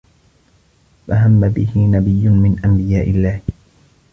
فَهَمَّ بِهِ نَبِيٌّ مِنْ أَنْبِيَاءِ اللَّهِ